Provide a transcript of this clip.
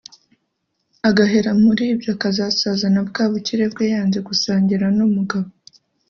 agahera muri ibyo akazasazana bwa bukire bwe yanze gusangira n’umugabo